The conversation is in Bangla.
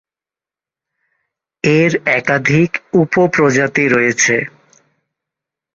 এর একাধিক উপপ্রজাতি রয়েছে।